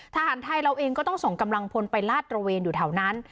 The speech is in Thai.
ทหารไทยเราเองก็ต้องส่งกำลังพลไปลาดตระเวนอยู่แถวนั้น